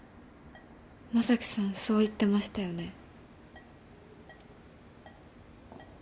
将貴さんそう言ってましたよね？